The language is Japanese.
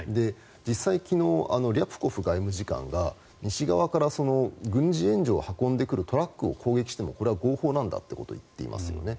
実際、昨日リャプコフ外務次官が西側から軍事援助を運んでくるトラックを攻撃してもこれは合法なんだということを言っていますよね。